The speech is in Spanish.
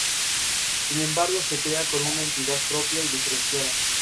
A continuación se muestran imágenes con todos los geoglifos del cerro.